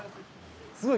すごい！